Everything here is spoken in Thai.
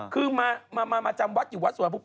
คือมาจำวัดอยู่วัดสวรปุ๊